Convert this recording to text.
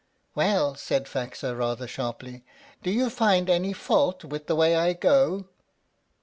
"Well," said Faxa, rather sharply, "do you find any fault with the way I go?"